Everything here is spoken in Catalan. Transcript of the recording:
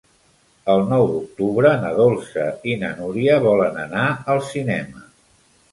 El nou d'octubre na Dolça i na Núria volen anar al cinema.